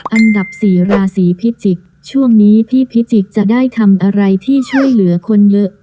อันดับสี่ราศีพิจิกษ์ช่วงนี้พี่พิจิกษ์จะได้ทำอะไรที่ช่วยเหลือคนเยอะ